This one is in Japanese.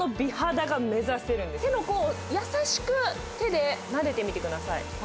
手の甲を優しく手でなでてみてください。